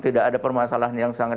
tidak ada permasalahan yang sangat